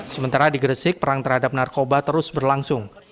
sementara di gresik perang terhadap narkoba terus berlangsung